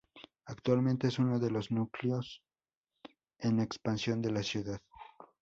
Actualmente es uno de los núcleos en expansión de la ciudad.